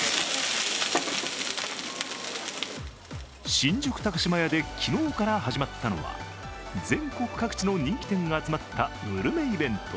新宿高島屋で昨日から始まったのは全国各地の人気店が集まったグルメイベント